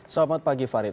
selamat pagi farid